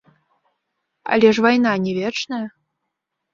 Але ж вайна не вечная.